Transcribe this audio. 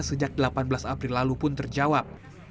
sejak delapan belas april lalu pun terjawab